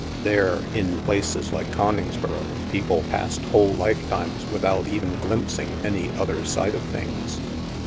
There, in places like Coningsboro, people passed whole lifetimes with out even glimpsing any other side of things.